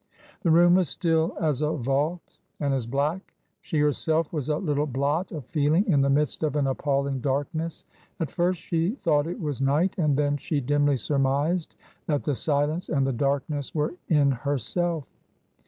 The room was still as a vault and as black. She herself was a little blot of feeling in the midst of an appalling darkness. At first she thought it was night ; and then she dimly surmised that the silence and the darkness were in herself.